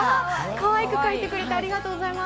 かわいいく描いてくれて、ありがとうございます。